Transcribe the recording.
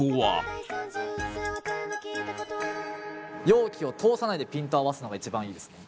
容器を通さないでピントを合わすのが一番いいですね。